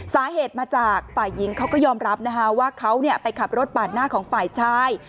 สาเหตุมาจากฝ่ายหญิงเขาก็ยอมรับนะคะว่าเขาไปขับรถปาดหน้าของฝ่ายชาย